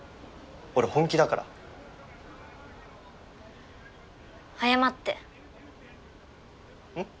俺本気だから謝ってうん？